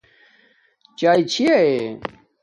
چاݵے چاچھی